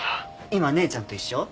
今姉ちゃんと一緒？